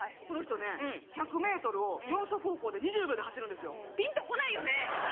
この人ね１００ｍを４足歩行で２０秒で走るんですよピンとこないよね？